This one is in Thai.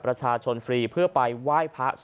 ประชาชนฟรีเพื่อไปไหว้พระ